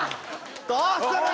どうする？